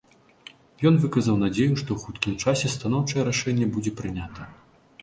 Ён выказаў надзею, што ў хуткім часе станоўчае рашэнне будзе прынята.